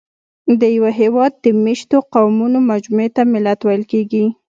د یوه هېواد د مېشتو قومونو مجموعې ته ملت ویل کېږي.